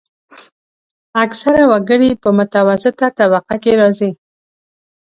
اکثره وګړي په متوسطه طبقه کې راځي.